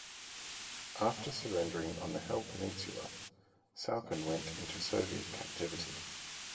After surrendering on the Hel Peninsula, Saucken went into Soviet captivity.